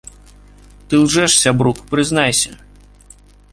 Ты лжэш, сябрук, прызнайся!